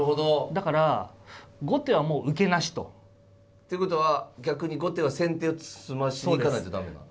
だから後手はもう受けなしと。ってことは逆に後手は先手を詰ましに行かないと駄目なんだ。